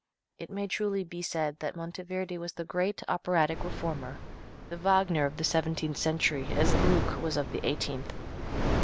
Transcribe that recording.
It may truly be said that Monteverde was the great operatic reformer, the Wagner, of the seventeenth century, as Gluck was of the eighteenth.